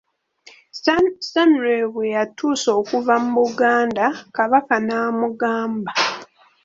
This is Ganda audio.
Stanley bwe yatuusa okuva mu Buganda, Kabaka n'amugamba.